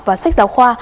và sách giáo khoa